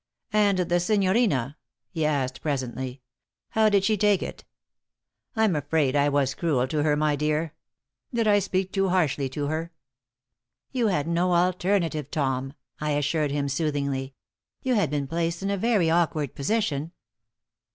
"And the signorina?" he asked, presently. "How did she take it? I'm afraid I was cruel to her, my dear. Did I speak too harshly to her?" "You had no alternative, Tom," I assured him, soothingly; "you had been placed in a very awkward position."